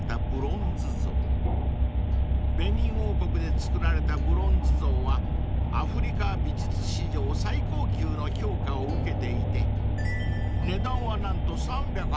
［ベニン王国で作られたブロンズ像はアフリカ美術史上最高級の評価を受けていて値段は何と３０８万円］